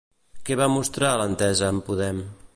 Què va mostrar l'entesa amb Podem?